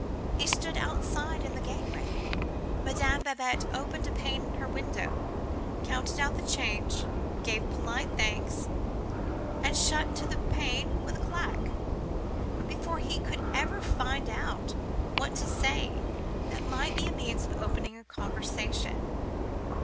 He stood outside in the gateway: Madame Babette opened a pane in her window, counted out the change, gave polite thanks, and shut to the pane with a clack, before he could ever find out what to say that might be the means of opening a conversation.